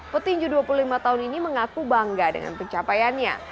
petinju dua puluh lima tahun ini mengaku bangga dengan pencapaiannya